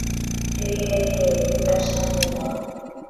হেই, hey, hey, এটা সামলে নাও।